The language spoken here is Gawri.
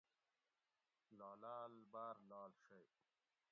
لالاۤل باۤر لاڷ شئی